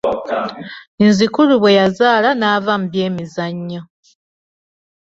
Inzikuru bwe yazaala n'ava mu byemizannyo.